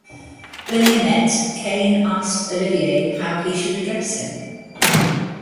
When they met, Caine asked Olivier how he should address him.